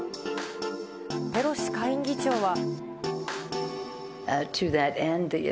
ペロシ下院議長は。